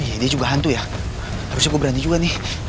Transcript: ya dia juga hantu ya harusnya aku berani juga nih